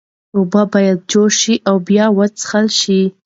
اوبه باید جوش شي او بیا وڅښل شي.